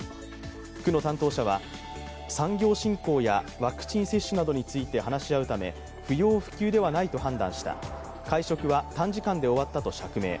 区の担当者は、産業振興やワクチン接種などについて話し合うため不要不急ではないと判断した、会食は短時間で終わったと釈明。